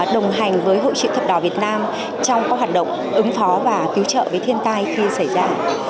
đồng hành với hội chữ thập đỏ việt nam trong các hoạt động ứng phó và cứu trợ với thiên tai khi xảy ra